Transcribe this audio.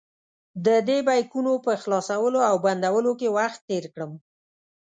ددې بیکونو په خلاصولو او بندولو کې وخت تېر کړم.